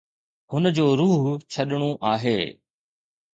هن جو روح ڇڏڻو آهي.